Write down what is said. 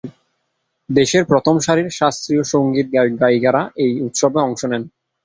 দেশের প্রথম সারির শাস্ত্রীয় সঙ্গীত গায়ক-গায়িকারা এই উৎসবে অংশ নেন।